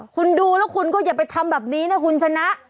คุณดูแล้วคุณก็อย่าไปทำแบบนี้นะคุณชนะ